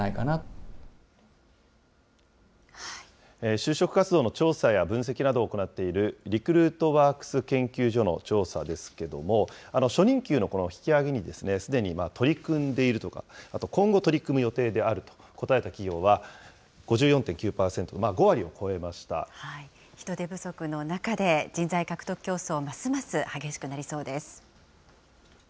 就職活動の調査や分析などを行っている、リクルートワークス研究所の調査ですけども、初任給の引き上げにすでに取り組んでいるとか、あと、今後取り組む予定であると答えた企業は５４．９％、５割を超えま人手不足の中で、人材獲得競争、ますます激しくなりそうです。